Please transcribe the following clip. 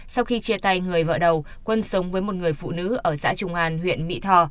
sau khi chia tay người vợ đầu quân sống với một người phụ nữ ở xã trung an huyện mỹ thò